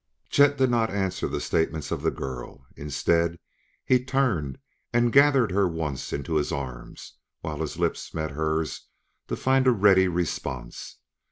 Chet did not answer the statements of the girl. Instead he turned and gathered her once into his arms, while his lips met hers to find a ready response.